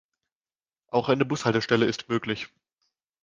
Auch eine Bushaltestelle ist möglich.